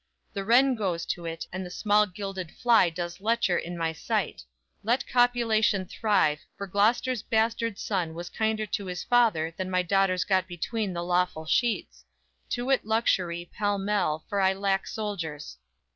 The wren goes to it; and the small gilded fly Does lecher in my sight. Let copulation thrive, for Gloster's bastard son Was kinder to his father than my daughters Got between the lawful sheets; To it luxury, pell mell, for I lack soldiers.